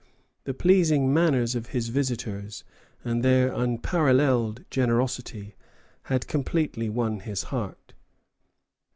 The pleasing manners of his visitors, and their unparalleled generosity, had completely won his heart.